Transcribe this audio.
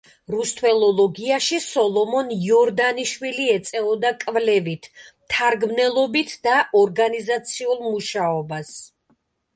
რუსთველოლოგიაში სოლომონ იორდანიშვილი ეწეოდა კვლევით, მთარგმნელობით და ორგანიზაციულ მუშაობას.